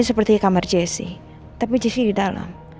ini seperti kamar jessy tapi jessy di dalam